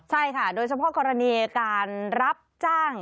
ใช่ค่ะโดยเฉพาะกรณีการรับจ้าง